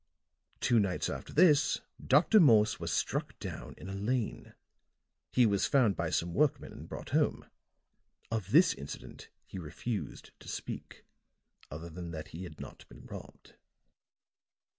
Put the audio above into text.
"Two nights after this Dr. Morse was struck down in a lane; he was found by some workmen and brought home. Of this incident he refused to speak other than that he had not been robbed.